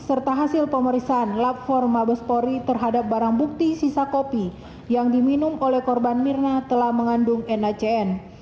serta hasil pemeriksaan lab empat mabespori terhadap barang bukti sisa kopi yang diminum oleh korban mirna telah mengandung nacn